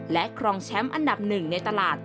และครองแชมป์อันดับหนึ่งในตลาด